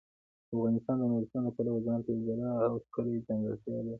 افغانستان د نورستان د پلوه ځانته یوه جلا او ښکلې ځانګړتیا لري.